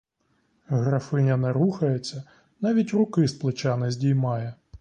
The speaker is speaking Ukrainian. Графиня не рухається, навіть руки з плеча не здіймає.